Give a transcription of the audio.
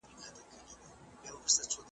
یو چا ته شل کاله وروسته خدای اولاد ورکی